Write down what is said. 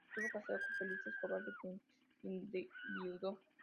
Estuvo casado con Felisa Escobar de quien enviudó.